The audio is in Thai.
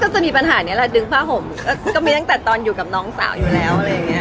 ก็จะมีปัญหานี้ละดึงผ้าห่มก็จะมีต้นแต่กับน้องสาวอยู่แล้ว